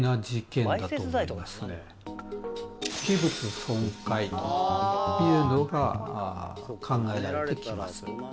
器物損壊というのが考えられてきます。